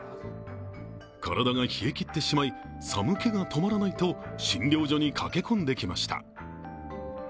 体が冷えきってしまい寒気が止まらないと診療所に駆け込んできました。